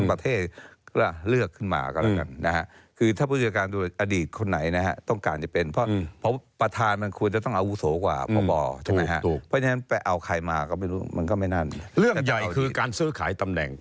เรื่องใหญ่คือการซื้อขายตำแหน่ง